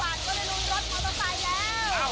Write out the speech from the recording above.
๑๐บาทก็ได้รุ้นรถมอเตอร์ไซค์แล้ว